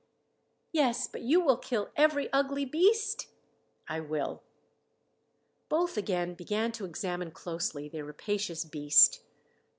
"Yes, but you will kill every ugly beast?" "I will." Both again began to examine closely the rapacious beast.